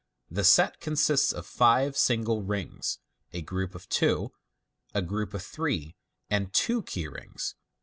The set consists of fi e single rings, a group of two, a group of three, and two key rings.